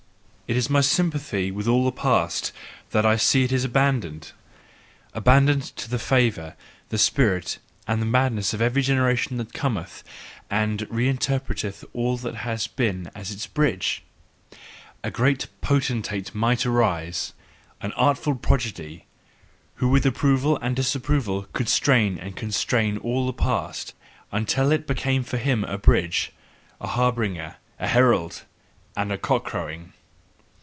It is my sympathy with all the past that I see it is abandoned, Abandoned to the favour, the spirit and the madness of every generation that cometh, and reinterpreteth all that hath been as its bridge! A great potentate might arise, an artful prodigy, who with approval and disapproval could strain and constrain all the past, until it became for him a bridge, a harbinger, a herald, and a cock crowing.